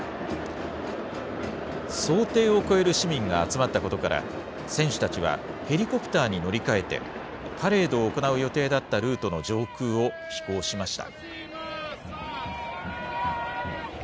想定を超える市民が集まったことから、選手たちはヘリコプターに乗り換えて、パレードを行う予定だったルートの上空を飛行しました。